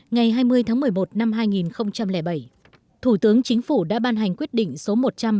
ngày hai mươi tháng một mươi một năm hai nghìn bảy thủ tướng chính phủ đã ban hành quyết định số một trăm bảy mươi